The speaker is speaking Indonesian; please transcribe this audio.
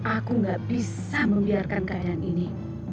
aku ga bisa membiarkan keadaan ini